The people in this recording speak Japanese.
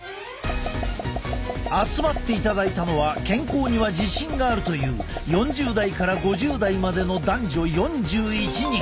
集まっていただいたのは健康には自信があるという４０代から５０代までの男女４１人。